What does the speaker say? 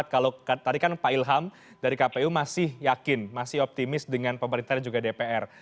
kalau tadi kan pak ilham dari kpu masih yakin masih optimis dengan pemerintah dan juga dpr